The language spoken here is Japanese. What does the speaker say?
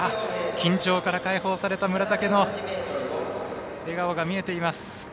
緊張から解放された村竹の笑顔が見えていました。